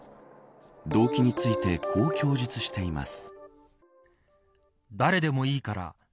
動機についてこう供述しています。